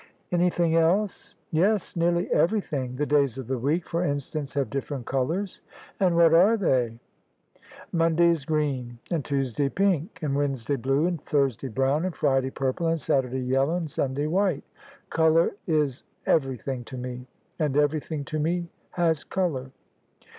"Anything else?" "Yes, nearly everything. The days of the week, for instance, have different colours." " And what are they? " c 135 ] THE SUBJECTION Monday is green, and Tuesday pink, and Wednesday blue, and Thursday brown, and Friday purple, and Satur day yellow, and Sunday white. Colour is everything to me, and everything' to me has colour."